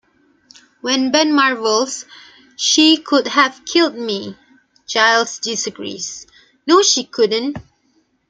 When Ben marvels, "She could have killed me", Giles disagrees: "No she couldn't.